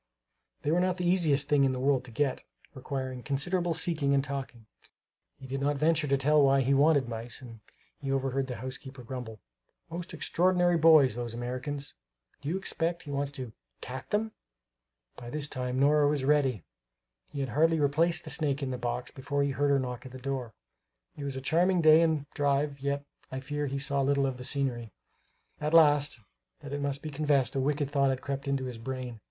They were not the easiest thing in the world to get, requiring considerable seeking and talking. He did not venture to tell why he wanted mice; and he overheard the housekeeper grumble: "Most extraordinary boys, those Americans! Do you expect he wants to cat them?" By this time Nora was ready; he had hardly replaced the snake in the box before he heard her knock at the door. It was a charming day and drive, yet I fear he saw little of the scenery. Alas, that it must be confessed, a wicked thought had crept into his brain.